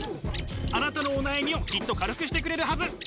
あなたのお悩みをきっと軽くしてくれるはず。